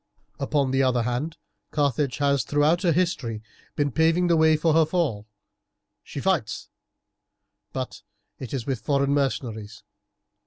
"Upon the other hand, Carthage has throughout her history been paving the way for her fall. She fights, but it is with foreign mercenaries.